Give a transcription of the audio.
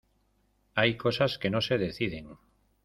hay cosas que no se deciden.